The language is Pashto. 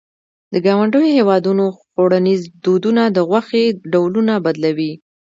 د ګاونډیو هېوادونو خوړنيز دودونه د غوښې ډولونه بدلوي.